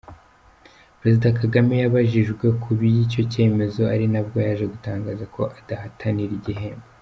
, Perezida Kagame yabajijwe ku bw’icyo cyemezo ari nabwo yaje gutangaza ko adahatanira igihembo.